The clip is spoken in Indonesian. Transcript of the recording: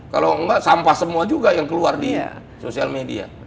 kalau enggak sampah semua juga yang keluar di sosial media